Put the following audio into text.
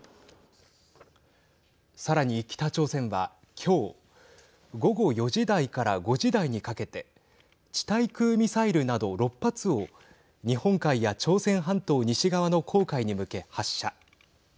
さらに北朝鮮は今日午後４時台から５時台にかけて地対空ミサイルなど６発を日本海や朝鮮半島西側の黄海に向け発射。